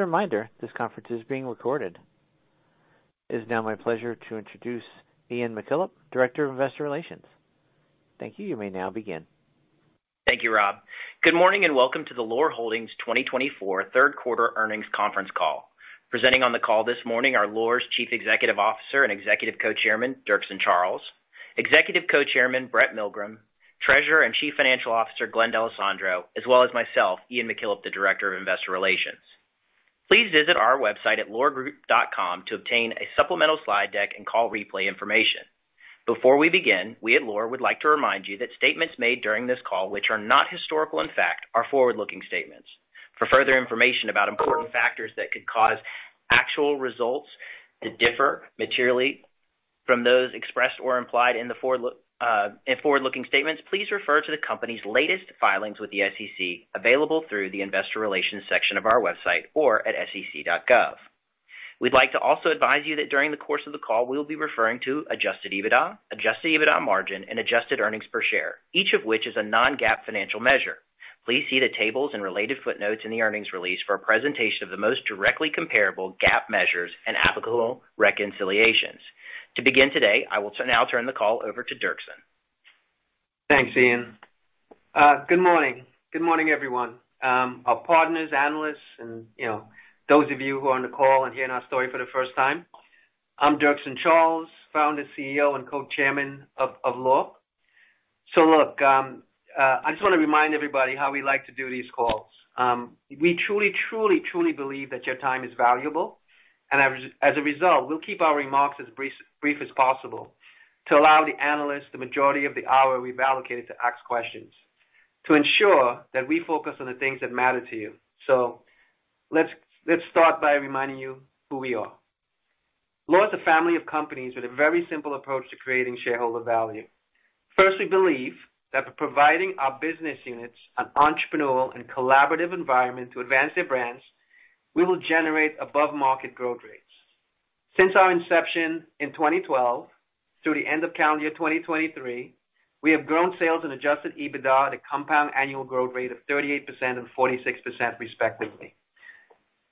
As a reminder, this conference is being recorded. It is now my pleasure to introduce Ian McKillop, Director of Investor Relations. Thank you. You may now begin. Thank you, Rob. Good morning and welcome to the Loar Holdings 2024 Third Quarter Earnings Conference Call. Presenting on the call this morning are Loar's Chief Executive Officer and Executive Co-Chairman, Dirkson Charles, Executive Co-Chairman, Brett Milgrim, Treasurer and Chief Financial Officer, Glenn D'Alessandro, as well as myself, Ian McKillop, the Director of Investor Relations. Please visit our website at loargroup.com to obtain a supplemental slide deck and call replay information. Before we begin, we at Loar would like to remind you that statements made during this call, which are not historical in fact, are forward-looking statements. For further information about important factors that could cause actual results to differ materially from those expressed or implied in the forward-looking statements, please refer to the company's latest filings with the SEC available through the Investor Relations section of our website or at sec.gov. We'd like to also advise you that during the course of the call, we'll be referring to adjusted EBITDA, adjusted EBITDA margin, and adjusted earnings per share, each of which is a non-GAAP financial measure. Please see the tables and related footnotes in the earnings release for a presentation of the most directly comparable GAAP measures and applicable reconciliations. To begin today, I will now turn the call over to Dirkson. Thanks, Ian. Good morning. Good morning, everyone. Our partners, analysts, and those of you who are on the call and hearing our story for the first time, I'm Dirkson Charles, Founder, CEO, and Co-Chairman of Loar, so look, I just want to remind everybody how we like to do these calls. We truly, truly, truly believe that your time is valuable, and as a result, we'll keep our remarks as brief as possible to allow the analysts the majority of the hour we've allocated to ask questions to ensure that we focus on the things that matter to you, so let's start by reminding you who we are. Loar is a family of companies with a very simple approach to creating shareholder value. First, we believe that by providing our business units an entrepreneurial and collaborative environment to advance their brands, we will generate above-market growth rates. Since our inception in 2012 through the end of calendar year 2023, we have grown sales and adjusted EBITDA at a Compound Annual Growth Rate of 38% and 46%, respectively.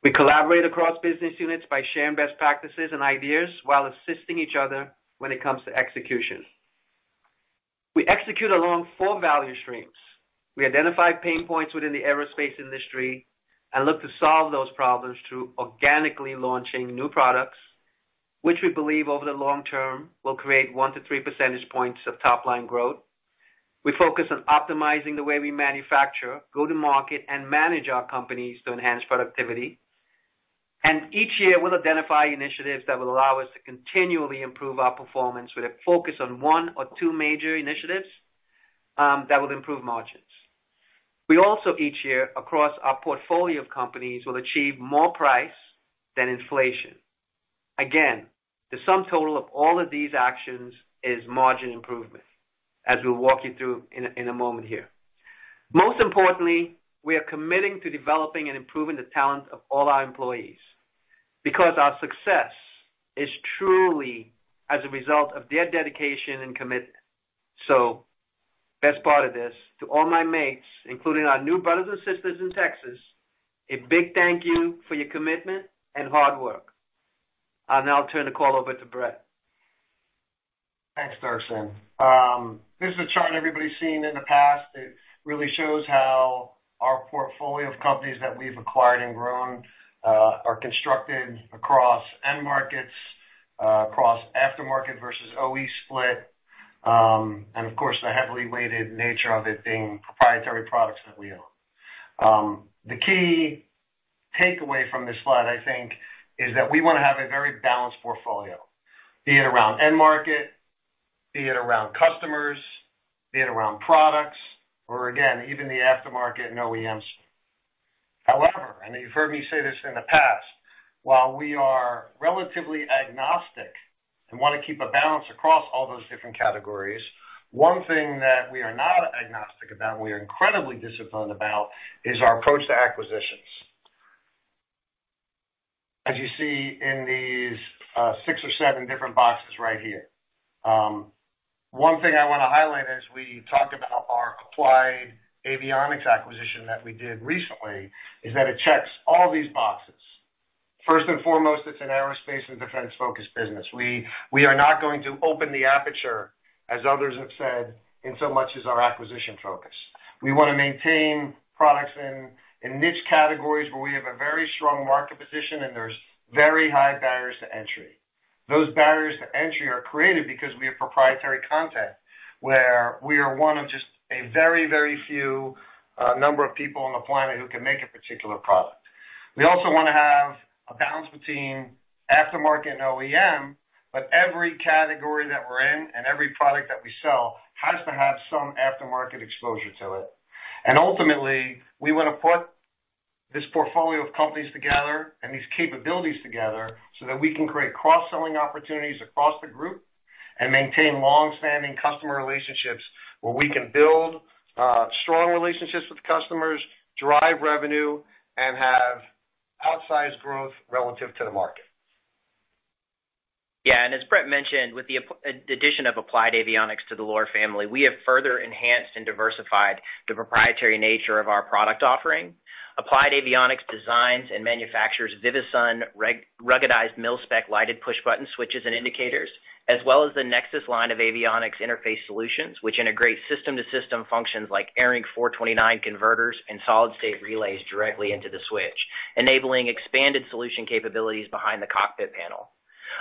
We collaborate across business units by sharing best practices and ideas while assisting each other when it comes to execution. We execute along four value streams. We identify pain points within the aerospace industry and look to solve those problems through organically launching new products, which we believe over the long term will create one to three percentage points of top-line growth. We focus on optimizing the way we manufacture, go to market, and manage our companies to enhance productivity. Each year, we'll identify initiatives that will allow us to continually improve our performance with a focus on one or two major initiatives that will improve margins. We also, each year, across our portfolio of companies, will achieve more price than inflation. Again, the sum total of all of these actions is margin improvement, as we'll walk you through in a moment here. Most importantly, we are committing to developing and improving the talent of all our employees because our success is truly as a result of their dedication and commitment. So, best part of this to all my mates, including our new brothers and sisters in Texas, a big thank you for your commitment and hard work, and I'll turn the call over to Brett. Thanks, Dirkson. This is a chart everybody's seen in the past. It really shows how our portfolio of companies that we've acquired and grown are constructed across end markets, across aftermarket versus OE split, and of course, the heavily weighted nature of it being proprietary products that we own. The key takeaway from this slide, I think, is that we want to have a very balanced portfolio, be it around end market, be it around customers, be it around products, or again, even the aftermarket and OEMs. However, and you've heard me say this in the past, while we are relatively agnostic and want to keep a balance across all those different categories, one thing that we are not agnostic about and we are incredibly disciplined about is our approach to acquisitions. As you see in these six or seven different boxes right here, one thing I want to highlight as we talk about our Applied Avionics acquisition that we did recently is that it checks all these boxes. First and foremost, it's an aerospace and defense-focused business. We are not going to open the aperture, as others have said, insomuch as our acquisition focus. We want to maintain products in niche categories where we have a very strong market position and there's very high barriers to entry. Those barriers to entry are created because we have proprietary content where we are one of just a very, very few number of people on the planet who can make a particular product. We also want to have a balance between after-market and OEM, but every category that we're in and every product that we sell has to have some after-market exposure to it. Ultimately, we want to put this portfolio of companies together and these capabilities together so that we can create cross-selling opportunities across the group and maintain long-standing customer relationships where we can build strong relationships with customers, drive revenue, and have outsized growth relative to the market. Yeah. And as Brett mentioned, with the addition of Applied Avionics to the Loar family, we have further enhanced and diversified the proprietary nature of our product offering. Applied Avionics designs and manufactures Vivisun ruggedized mil-spec lighted push-button switches and indicators, as well as the Nexus line of avionics interface solutions, which integrate system-to-system functions like ARINC 429 converters and solid-state relays directly into the switch, enabling expanded solution capabilities behind the cockpit panel.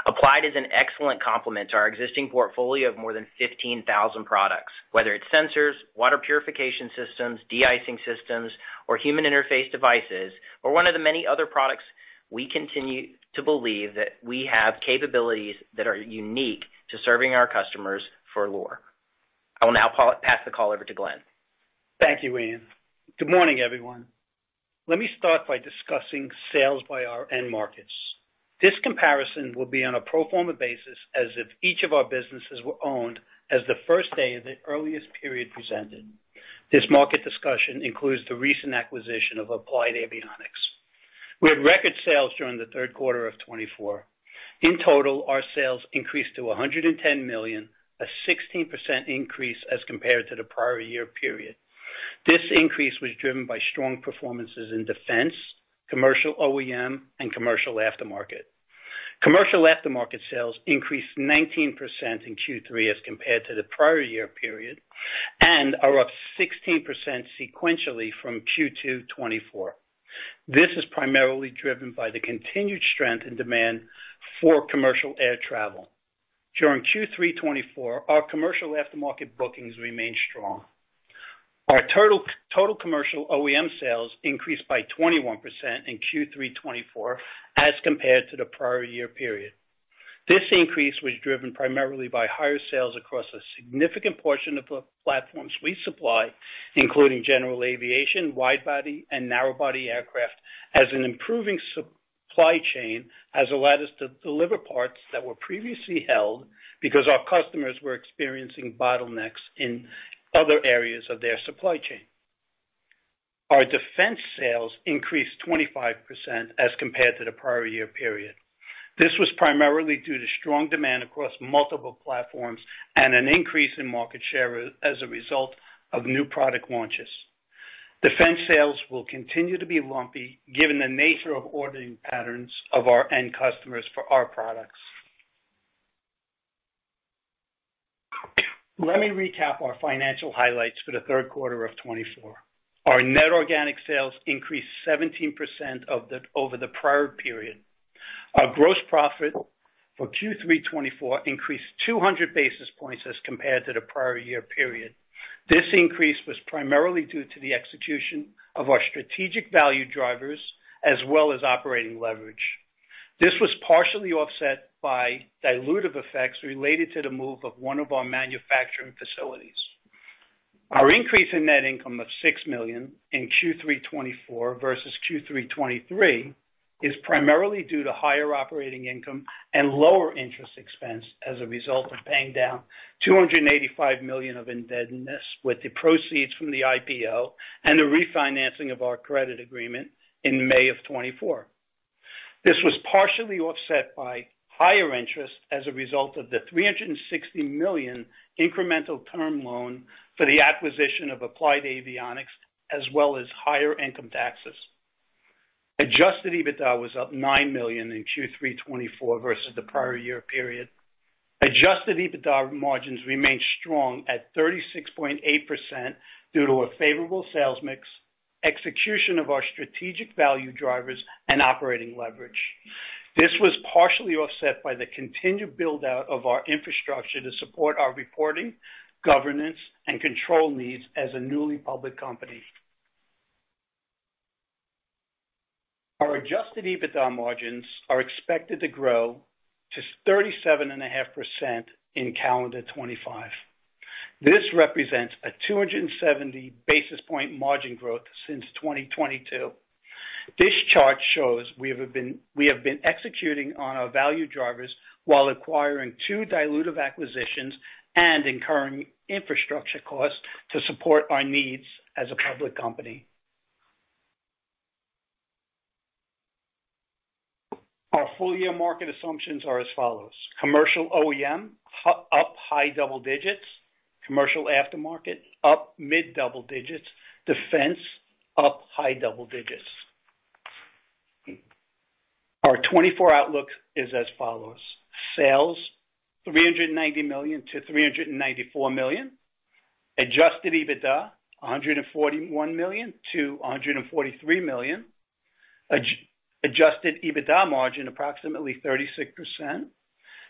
Applied is an excellent complement to our existing portfolio of more than 15,000 products, whether it's sensors, water purification systems, de-icing systems, or human interface devices, or one of the many other products. We continue to believe that we have capabilities that are unique to serving our customers for Loar. I will now pass the call over to Glenn. Thank you, Ian. Good morning, everyone. Let me start by discussing sales by our end markets. This comparison will be on a pro forma basis as if each of our businesses were owned as the first day of the earliest period presented. This market discussion includes the recent acquisition of Applied Avionics. We had record sales during the third quarter of 2024. In total, our sales increased to $110 million, a 16% increase as compared to the prior year period. This increase was driven by strong performances in defense, commercial OEM, and commercial aftermarket. Commercial aftermarket sales increased 19% in Q3 2024 as compared to the prior year period and are up 16% sequentially from Q2 2024. This is primarily driven by the continued strength in demand for commercial air travel. During Q3 2024, our commercial aftermarket bookings remained strong. Our total commercial OEM sales increased by 21% in Q3 2024 as compared to the prior year period. This increase was driven primarily by higher sales across a significant portion of the platforms we supply, including general aviation, wide-body, and narrow-body aircraft, as an improving supply chain has allowed us to deliver parts that were previously held because our customers were experiencing bottlenecks in other areas of their supply chain. Our defense sales increased 25% as compared to the prior year period. This was primarily due to strong demand across multiple platforms and an increase in market share as a result of new product launches. Defense sales will continue to be lumpy given the nature of ordering patterns of our end customers for our products. Let me recap our financial highlights for the third quarter of 2024. Our net organic sales increased 17% over the prior period. Our gross profit for Q3 2024 increased 200 basis points as compared to the prior year period. This increase was primarily due to the execution of our strategic value drivers as well as operating leverage. This was partially offset by dilutive effects related to the move of one of our manufacturing facilities. Our increase in net income of $6 million in Q3 2024 versus Q3 2023 is primarily due to higher operating income and lower interest expense as a result of paying down $285 million of indebtedness with the proceeds from the IPO and the refinancing of our credit agreement in May of 2024. This was partially offset by higher interest as a result of the $360 million incremental term loan for the acquisition of Applied Avionics as well as higher income taxes. Adjusted EBITDA was up $9 million in Q3 2024 versus the prior year period. Adjusted EBITDA margins remained strong at 36.8% due to a favorable sales mix, execution of our strategic value drivers, and operating leverage. This was partially offset by the continued build-out of our infrastructure to support our reporting, governance, and control needs as a newly public company. Our adjusted EBITDA margins are expected to grow to 37.5% in calendar 2025. This represents a 270 basis point margin growth since 2022. This chart shows we have been executing on our value drivers while acquiring two dilutive acquisitions and incurring infrastructure costs to support our needs as a public company. Our full-year market assumptions are as follows. Commercial OEM, up high double digits. Commercial aftermarket, up mid double digits. Defense, up high double digits. Our 2024 outlook is as follows. Sales $390 million-$394 million. Adjusted EBITDA $141 million-$143 million. Adjusted EBITDA margin approximately 36%.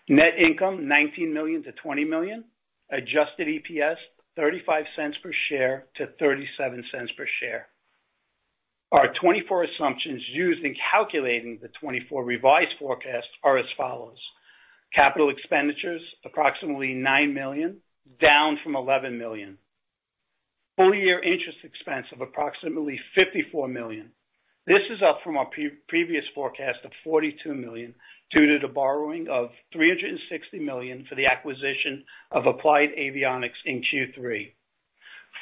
Net income $19 million-$20 million. Adjusted EPS $0.35 per share-$0.37 per share. Our 2024 assumptions used in calculating the 2024 revised forecast are as follows. Capital expenditures approximately $9 million, down from $11 million. Full-year interest expense of approximately $54 million. This is up from our previous forecast of $42 million due to the borrowing of $360 million for the acquisition of Applied Avionics in Q3.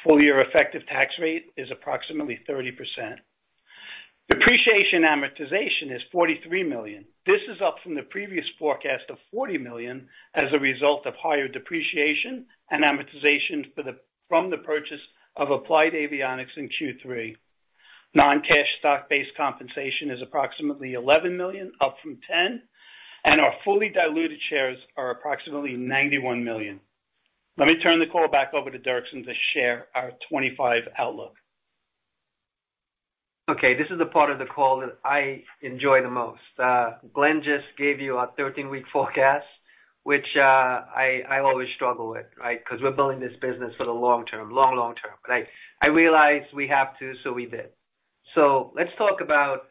Full-year effective tax rate is approximately 30%. Depreciation amortization is $43 million. This is up from the previous forecast of $40 million as a result of higher depreciation and amortization from the purchase of Applied Avionics in Q3. Non-cash stock-based compensation is approximately $11 million, up from $10 million. Our fully diluted shares are approximately 91 million. Let me turn the call back over to Dirkson to share our 2025 outlook. Okay. This is the part of the call that I enjoy the most. Glenn just gave you our 13-week forecast, which I always struggle with, right, because we're building this business for the long term, long, long term. But I realized we have to, so we did. So let's talk about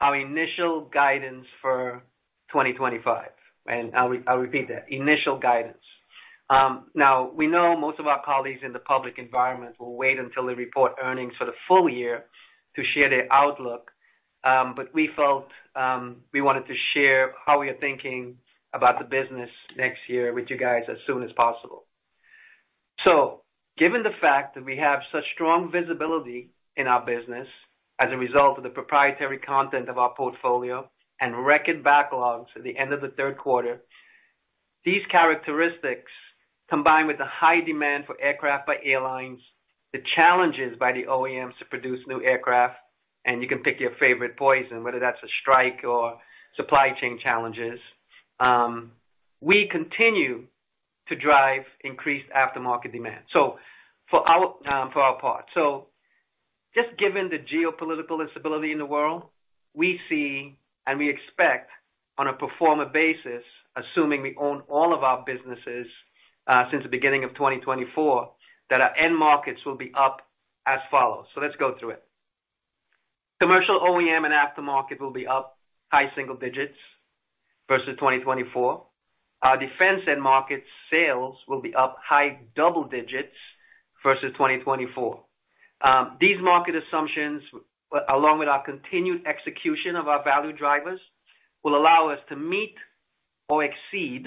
our initial guidance for 2025. And I'll repeat that. Initial guidance. Now, we know most of our colleagues in the public environment will wait until the report earnings for the full year to share their outlook, but we felt we wanted to share how we are thinking about the business next year with you guys as soon as possible. Given the fact that we have such strong visibility in our business as a result of the proprietary content of our portfolio and record backlogs at the end of the third quarter, these characteristics combined with the high demand for aircraft by airlines, the challenges by the OEMs to produce new aircraft, and you can pick your favorite poison, whether that's a strike or supply chain challenges, we continue to drive increased aftermarket demand. For our part, just given the geopolitical instability in the world, we see and we expect on a pro forma basis, assuming we own all of our businesses since the beginning of 2024, that our end markets will be up as follows. Let's go through it. Commercial OEM and aftermarket will be up high single digits versus 2024. Our defense and market sales will be up high double digits versus 2024. These market assumptions, along with our continued execution of our value drivers, will allow us to meet or exceed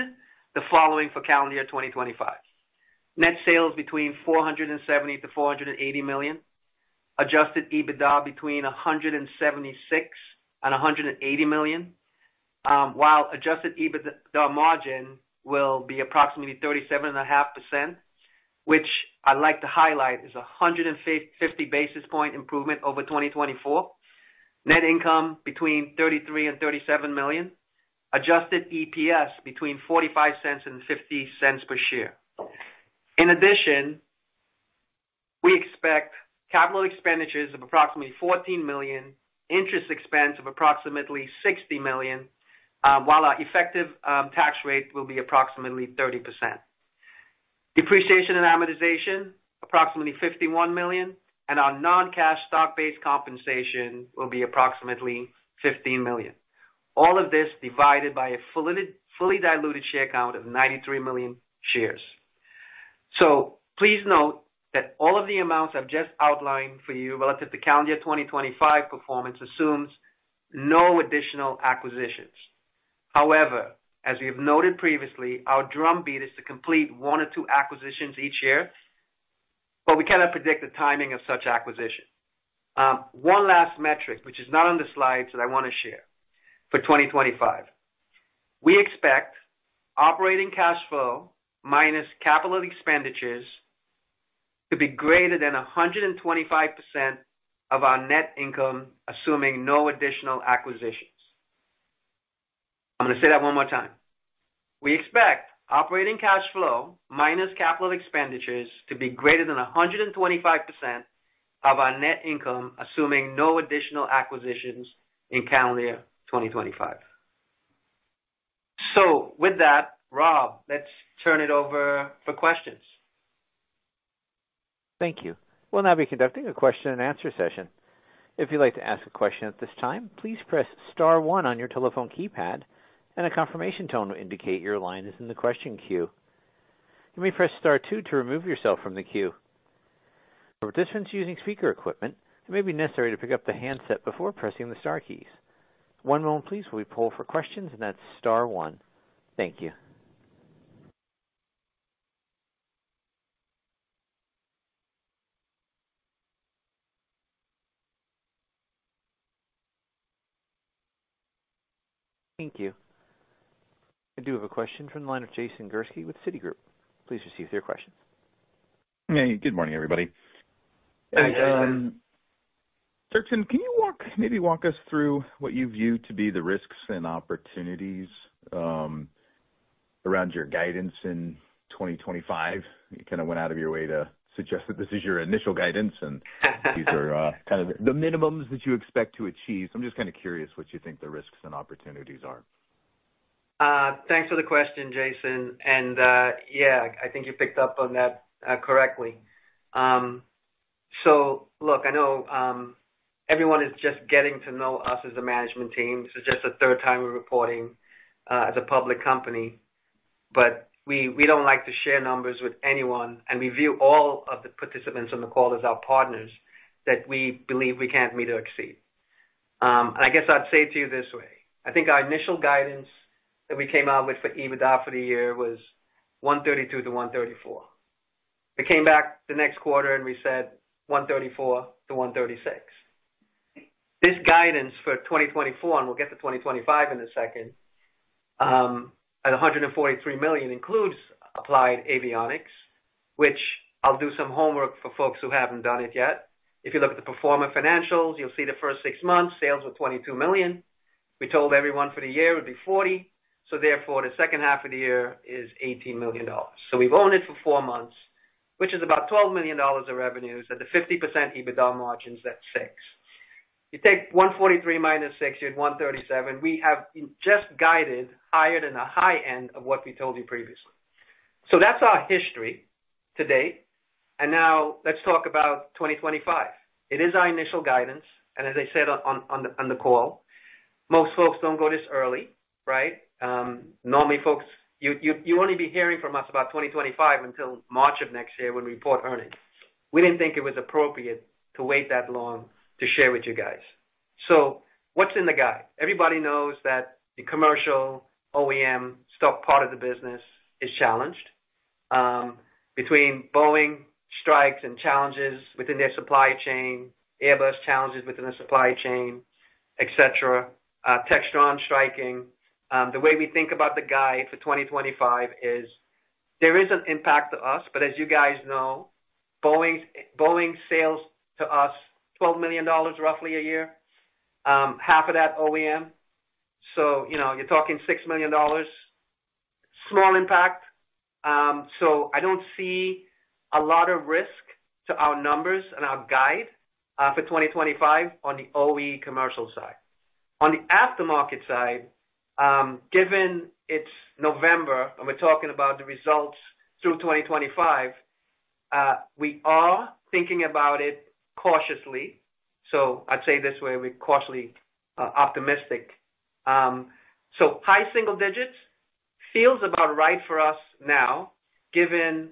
the following for calendar year 2025. Net sales between $470- $480 million. Adjusted EBITDA between $176 and $180 million, while adjusted EBITDA margin will be approximately 37.5%, which I'd like to highlight is 150 basis point improvement over 2024. Net income between $33 and $37 million. Adjusted EPS between $0.45 and $0.50 per share. In addition, we expect capital expenditures of approximately $14 million, interest expense of approximately $60 million, while our effective tax rate will be approximately 30%. Depreciation and amortization, approximately $51 million, and our non-cash stock-based compensation will be approximately $15 million. All of this divided by a fully diluted share count of 93 million shares. Please note that all of the amounts I've just outlined for you relative to calendar year 2025 performance assumes no additional acquisitions. However, as we have noted previously, our drumbeat is to complete one or two acquisitions each year, but we cannot predict the timing of such acquisition. One last metric, which is not on the slides, that I want to share for 2025. We expect operating cash flow minus capital expenditures to be greater than 125% of our net income, assuming no additional acquisitions. I'm going to say that one more time. We expect operating cash flow minus capital expenditures to be greater than 125% of our net income, assuming no additional acquisitions in calendar year 2025. With that, Rob, let's turn it over for questions. Thank you. We'll now be conducting a question-and-answer session. If you'd like to ask a question at this time, please press star one on your telephone keypad, and a confirmation tone will indicate your line is in the question queue. You may press star two to remove yourself from the queue. For participants using speaker equipment, it may be necessary to pick up the handset before pressing the star keys. One moment, please, while we pull for questions, and that's star one. Thank you. Thank you. I do have a question from the line of Jason Gursky with Citigroup. Please proceed with your questions. Hey, good morning, everybody. Dirkson, can you maybe walk us through what you view to be the risks and opportunities around your guidance in 2025? You kind of went out of your way to suggest that this is your initial guidance, and these are kind of the minimums that you expect to achieve. So I'm just kind of curious what you think the risks and opportunities are. Thanks for the question, Jason, and yeah, I think you picked up on that correctly, so look, I know everyone is just getting to know us as a management team. This is just the third time we're reporting as a public company, but we don't like to share numbers with anyone, and we view all of the participants on the call as our partners that we believe we can't meet or exceed, and I guess I'd say it to you this way. I think our initial guidance that we came out with for EBITDA for the year was 132-134. We came back the next quarter, and we said 134-136. This guidance for 2024, and we'll get to 2025 in a second, at $143 million includes Applied Avionics, which I'll do some homework for folks who haven't done it yet. If you look at the pro forma financials, you'll see the first six months, sales were $22 million. We told everyone for the year it would be $40 million. So therefore, the second half of the year is $18 million. So we've owned it for four months, which is about $12 million of revenues at the 50% EBITDA margins at $6 million. You take $143 million minus $6 million, you're at $137 million. We have just guided higher than a high end of what we told you previously. So that's our history to date. And now let's talk about 2025. It is our initial guidance. And as I said on the call, most folks don't go this early, right? Normally, folks, you only be hearing from us about 2025 until March of next year when we report earnings. We didn't think it was appropriate to wait that long to share with you guys. So, what's in the guide? Everybody knows that the commercial OEM stock part of the business is challenged between Boeing strikes and challenges within their supply chain, Airbus challenges within the supply chain, et cetera, Textron striking. The way we think about the guide for 2025 is there is an impact to us, but as you guys know, Boeing sales to us $12 million roughly a year, half of that OEM. So you're talking $6 million. Small impact. So I don't see a lot of risk to our numbers and our guide for 2025 on the OEM commercial side. On the aftermarket side, given it's November and we're talking about the results through 2025, we are thinking about it cautiously. So I'd say this way, we're cautiously optimistic. So high single digits feels about right for us now, given,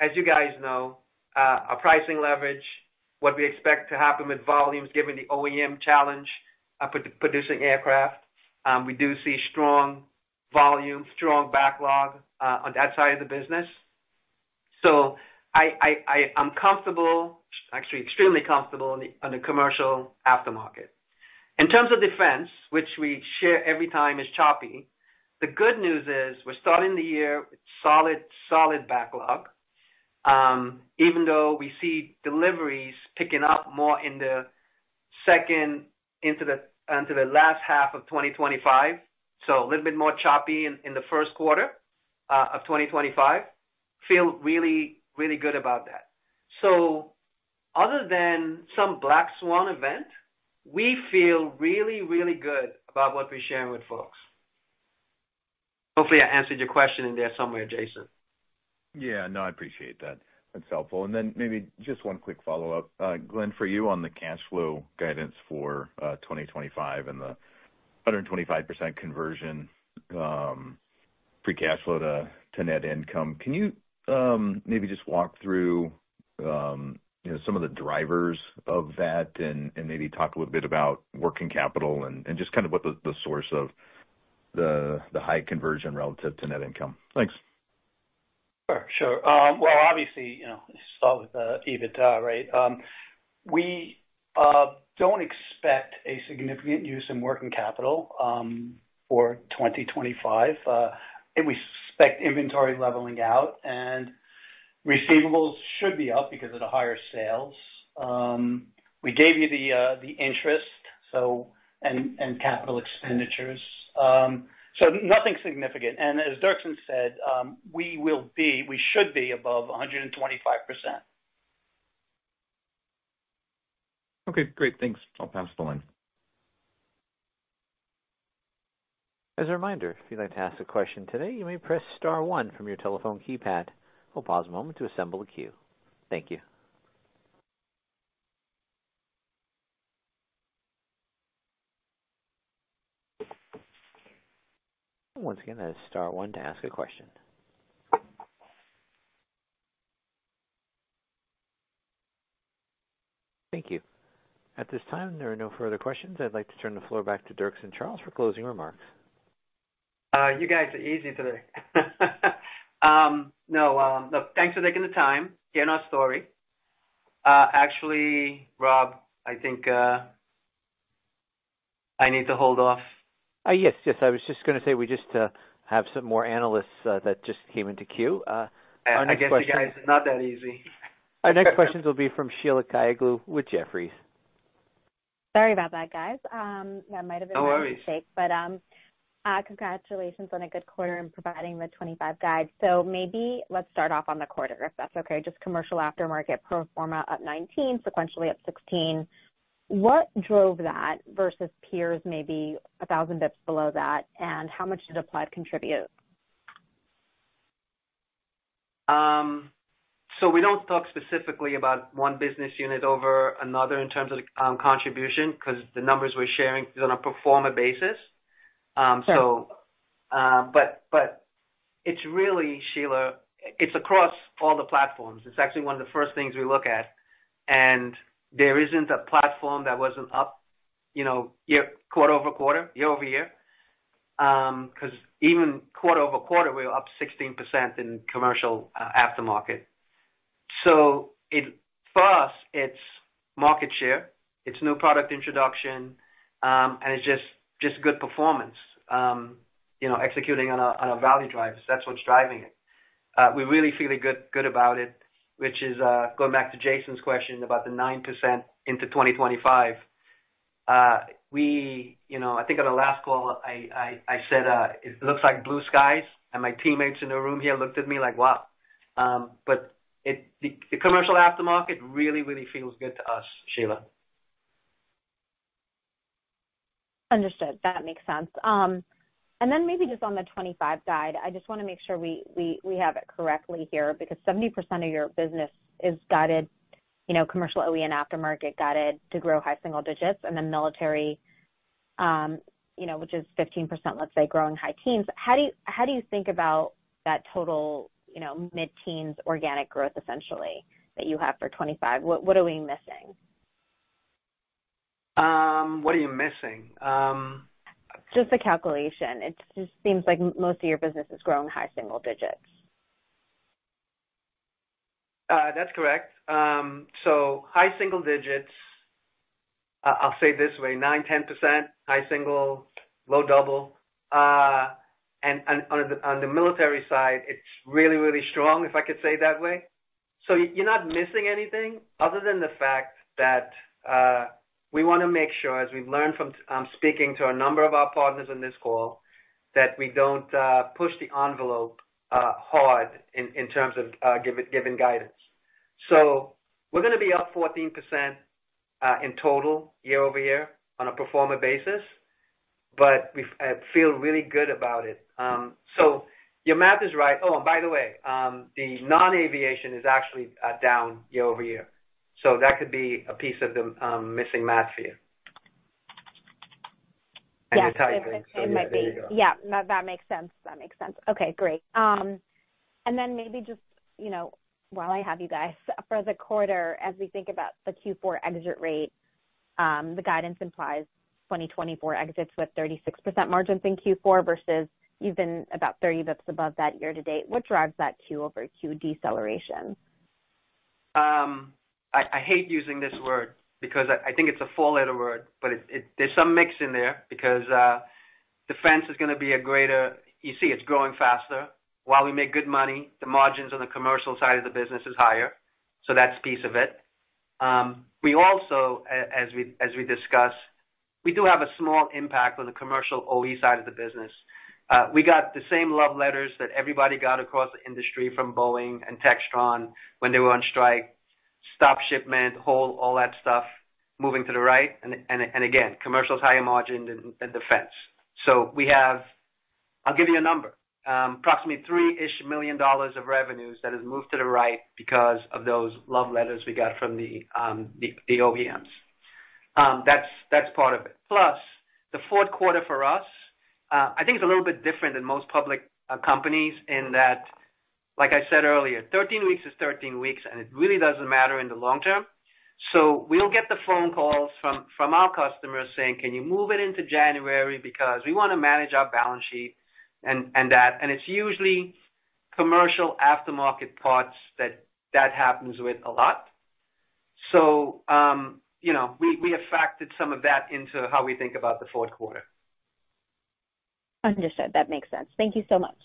as you guys know, our pricing leverage, what we expect to happen with volumes, given the OEM challenge producing aircraft. We do see strong volume, strong backlog on that side of the business. So I'm comfortable, actually extremely comfortable on the commercial aftermarket. In terms of defense, which we share every time is choppy, the good news is we're starting the year with solid, solid backlog, even though we see deliveries picking up more in the second into the last half of 2025. So a little bit more choppy in the first quarter of 2025. Feel really, really good about that. So other than some black swan event, we feel really, really good about what we're sharing with folks. Hopefully, I answered your question in there somewhere, Jason. Yeah. No, I appreciate that. That's helpful. And then maybe just one quick follow-up. Glenn, for you on the cash flow guidance for 2025 and the 125% conversion free cash flow to net income, can you maybe just walk through some of the drivers of that and maybe talk a little bit about working capital and just kind of what the source of the high conversion relative to net income? Thanks. Sure. Sure. Well, obviously, you start with EBITDA, right? We don't expect a significant use in working capital for 2025. We expect inventory leveling out, and receivables should be up because of the higher sales. We gave you the interest and capital expenditures. So nothing significant. And as Dirkson said, we should be above 125%. Okay. Great. Thanks. I'll pass the line. As a reminder, if you'd like to ask a question today, you may press star one from your telephone keypad. We'll pause a moment to assemble a queue. Thank you. Once again, that is star one to ask a question. Thank you. At this time, there are no further questions. I'd like to turn the floor back to Dirkson Charles for closing remarks. You guys are easy today. No, thanks for taking the time to share our story. Actually, Rob, I think I need to hold off. Yes, yes. I was just going to say we just have some more analysts that just came into queue. Our next question is not that easy. Our next questions will be from Sheila Kahyaoglu with Jefferies. Sorry about that, guys. That might have been a mistake. No worries. But, congratulations on a good quarter in providing the 25% guide. So, maybe let's start off on the quarter, if that's okay. Just commercial aftermarket pro forma up 19%, sequentially up 16%. What drove that versus peers maybe 1,000 basis points below that? And how much did Applied contribute? So we don't talk specifically about one business unit over another in terms of contribution because the numbers we're sharing are on a pro forma basis. But it's really, Sheila, it's across all the platforms. It's actually one of the first things we look at. And there isn't a platform that wasn't up quarter over quarter, year-over-year. Because even quarter over quarter, we're up 16% in commercial aftermarket. So for us, it's market share, it's new product introduction, and it's just good performance, executing on a value drive. That's what's driving it. We really feel good about it, which is going back to Jason's question about the 9% into 2025. I think on the last call, I said it looks like blue skies, and my teammates in the room here looked at me like, "Wow." But the commercial aftermarket really, really feels good to us, Sheila. Understood. That makes sense. And then maybe just on the 2025 guide, I just want to make sure we have it correctly here because 70% of your business is guided commercial OEM aftermarket guided to grow high single digits, and then military, which is 15%, let's say, growing high teens. How do you think about that total mid-teens organic growth, essentially, that you have for 2025? What are we missing? What are you missing? Just the calculation. It just seems like most of your business is growing high single digits. That's correct. So high single digits, I'll say it this way, 9-10%, high single, low double. And on the military side, it's really, really strong, if I could say it that way. So you're not missing anything other than the fact that we want to make sure, as we've learned from speaking to a number of our partners on this call, that we don't push the envelope hard in terms of giving guidance. So we're going to be up 14% in total year-over-year on a pro forma basis, but we feel really good about it. So your math is right. Oh, and by the way, the non-aviation is actually down year-over-year. So that could be a piece of the missing math here. And your. Yeah. That makes sense. That makes sense. Okay. Great. And then maybe just while I have you guys, for the quarter, as we think about the Q4 exit rate, the guidance implies 2024 exits with 36% margins in Q4 versus even about 30 basis points above that year to date. What drives that Q over Q deceleration? I hate using this word because I think it's a four letter word, but there's some mix in there because defense is going to be a greater, you see, it's growing faster. While we make good money, the margins on the commercial side of the business is higher. So that's a piece of it. We also, as we discussed, we do have a small impact on the commercial OEM side of the business. We got the same love letters that everybody got across the industry from Boeing and Textron when they were on strike, stop shipment, hold all that stuff, moving to the right. And again, commercial's higher margin than defense. So I'll give you a number. Approximately $3-ish million of revenues that have moved to the right because of those love letters we got from the OEMs. That's part of it. Plus, the fourth quarter for us, I think it's a little bit different than most public companies in that, like I said earlier, 13 weeks is 13 weeks, and it really doesn't matter in the long term. So we'll get the phone calls from our customers saying, "Can you move it into January? Because we want to manage our balance sheet and that." And it's usually commercial aftermarket parts that that happens with a lot. So we have factored some of that into how we think about the fourth quarter. Understood. That makes sense. Thank you so much.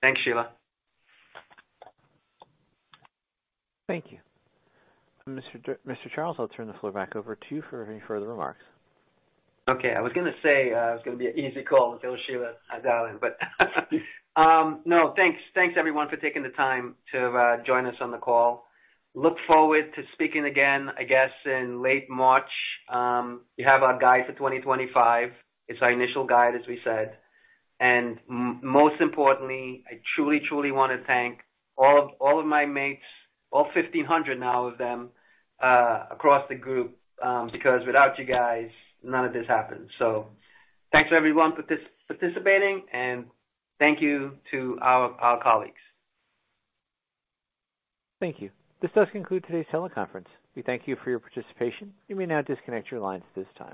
Thanks, Sheila. Thank you. Mr. Charles, I'll turn the floor back over to you for any further remarks. Okay. I was going to say it was going to be an easy call until Sheila dialed in, but no, thanks. Thanks, everyone, for taking the time to join us on the call. Look forward to speaking again, I guess, in late March. We have our guide for 2025. It's our initial guide, as we said. And most importantly, I truly, truly want to thank all of my mates, all 1,500 now of them across the group because without you guys, none of this happens. So thanks to everyone for participating, and thank you to our colleagues. Thank you. This does conclude today's teleconference. We thank you for your participation. You may now disconnect your lines at this time.